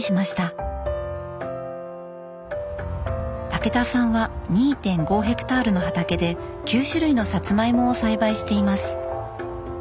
武田さんは２．５ヘクタールの畑で９種類のさつまいもを栽培しています。